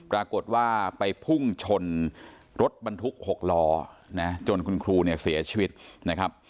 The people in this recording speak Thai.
ปรากฏว่าไปพุ่งชนรถบรรทุก๖ล้อนะจนคุณครูเนี่ยเสียชีวิตนะครับ